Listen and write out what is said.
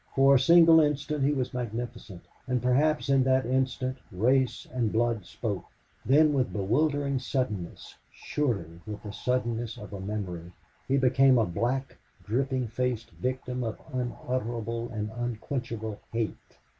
For a single instant he was magnificent and perhaps in that instant race and blood spoke; then, with bewildering suddenness, surely with the suddenness of a memory, he became a black, dripping faced victim of unutterable and unquenchable hate.